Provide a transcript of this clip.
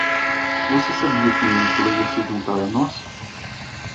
Você sabia que Nikola ia se juntar a nós?